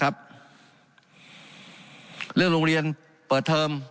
การปรับปรุงทางพื้นฐานสนามบิน